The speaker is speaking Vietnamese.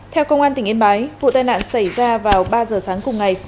theo công an tỉnh yên bái vụ tai nạn xảy ra vào ba giờ sáng cùng ngày